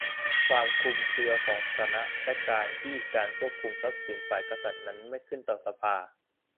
ความคลุมเครือของสถานะ และการที่การควบคุมทรัพย์สินฝ่ายกษัตริย์นั้นไม่ขึ้นต่อสภา